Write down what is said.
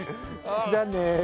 じゃあね。